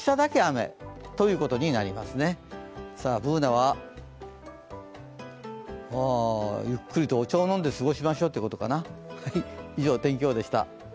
Ｂｏｏｎａは、ゆっくりとお茶を飲んで過ごしましょうということかな